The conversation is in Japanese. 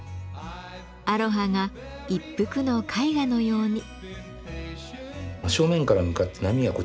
アロハが一幅の絵画のように。